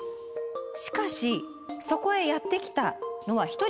しかしそこへやって来たのは一人の男性。